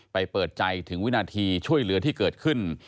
เปิดใจถึงวินาทีช่วยเหลือที่เกิดขึ้น